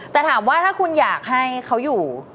แต่ถามว่าถ้าคุณอยากให้เขาอยู่